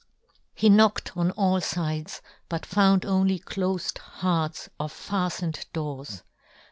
He knocked on all fides, but found only clofed hearts or faftened doors.